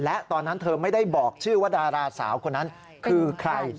และตอนนั้นเธอไม่ได้บอกชื่อว่าดาราสาวคนนั้นคือใคร